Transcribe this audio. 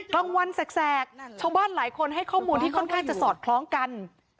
กลางวันแสกชาวบ้านหลายคนให้ข้อมูลที่ค่อนข้างจะสอดคล้องกัน